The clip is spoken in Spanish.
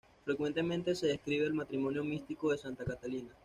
Frecuentemente se describe el matrimonio místico de Santa Catalina.